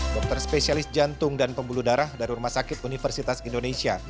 dokter spesialis jantung dan pembuluh darah dari rumah sakit universitas indonesia